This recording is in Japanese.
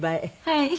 はい。